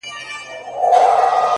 • خپل یې کلی او دېره, خپله حجره وه,